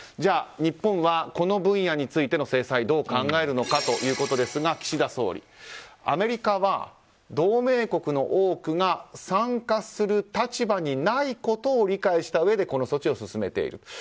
日本はこの分野についての制裁どう考えるのかということですが岸田総理アメリカは同盟国の多くが参加する立場にないことを理解したうえでこの措置を進めている。